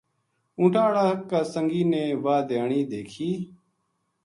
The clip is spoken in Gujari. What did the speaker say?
اونٹھاں ہاڑا کا سنگی نے واہ دھیانی دیکھی